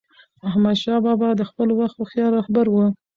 احمدشاه بابا د خپل وخت هوښیار رهبر و.